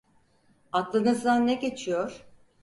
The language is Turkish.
Aklınızdan ne geçiyor?